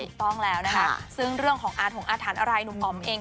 ถูกต้องแล้วนะคะซึ่งเรื่องของ